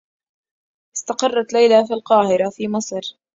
استقرّت ليلى في القاهرة، في مصر.